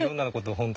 本当？